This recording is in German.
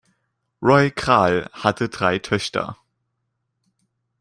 Roy Kral hatte drei Töchter.